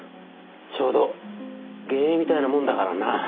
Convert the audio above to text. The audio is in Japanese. ちょうど幻影みたいなもんだからな。